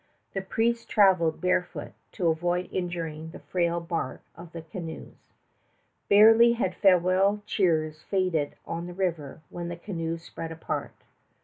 The priests traveled barefoot to avoid injuring the frail bark of the canoes. Barely had farewell cheers faded on the river, when the canoes spread apart.